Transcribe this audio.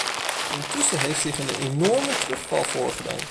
Intussen heeft zich een enorme terugval voorgedaan.